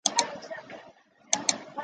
宇称是一个量子力学量。